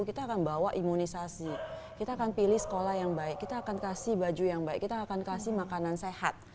kita akan bawa imunisasi kita akan pilih sekolah yang baik kita akan kasih baju yang baik kita akan kasih makanan sehat